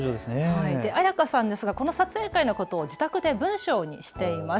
彩花さんですがこの撮影会のことを自宅で文章にしています。